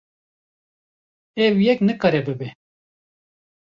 Ev yek nikare bibe.